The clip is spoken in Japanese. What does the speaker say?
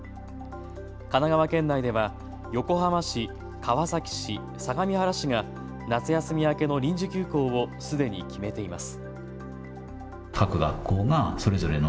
神奈川県内では横浜市、川崎市、相模原市が夏休み明けの臨時休校をすでに決めています。